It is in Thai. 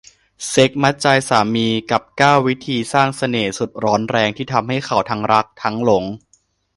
เซ็กส์มัดใจสามี กับ เก้า วิธีสร้างเสน่ห์สุดร้อนแรงที่ทำให้เขาทั้งรักทั้งหลง